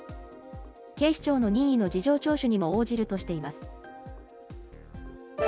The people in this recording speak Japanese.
警視庁の任意の事情聴取にも応じるとしています。